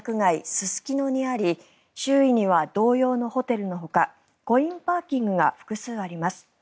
すすきのにあり周囲には同様のホテルのほかコインパーキングが複数あります。